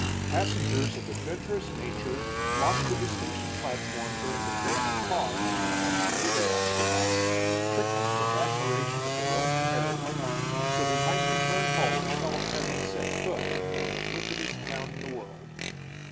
Passengers of adventurous nature flocked to the station platform during the brief pause the train made at Ascalon, prickling with admiration of their own temerity, so they might return home and tell of having set foot in the wickedest town in the world.